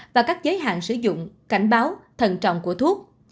và các giới hạn sử dụng cảnh báo thần trọng của thuốc